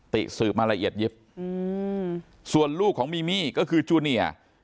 ติสืบมาละเอียดยิบส่วนลูกของมีมี่ก็คือจูเนีย